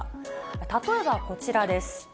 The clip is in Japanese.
例えばこちらです。